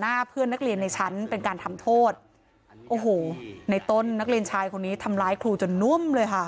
หน้าเพื่อนนักเรียนในชั้นเป็นการทำโทษโอ้โหในต้นนักเรียนชายคนนี้ทำร้ายครูจนนุ่มเลยค่ะ